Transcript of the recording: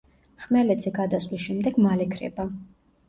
ხმელეთზე გადასვლის შემდეგ მალე ქრება.